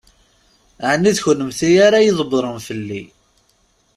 Ɛni d kennemti ara ydebbṛen fell-i?